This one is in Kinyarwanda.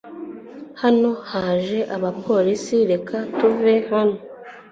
Hano haje abapolisi. Reka tuve hano